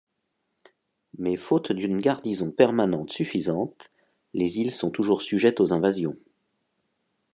Mais faute d'une garnison permanente suffisante, les îles sont toujours sujettes aux invasions.